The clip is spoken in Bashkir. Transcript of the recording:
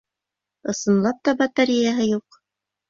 Ысынлап та, батареяһы юҡ...